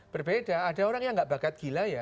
berbeda ada orang yang gak bakat gila ya